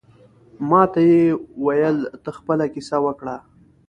ماته یې ویل ته خپله کیسه وکړه.